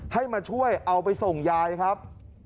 ให้มาช่วยเอาไปส่งยายครับ